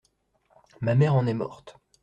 Ma mère en est morte.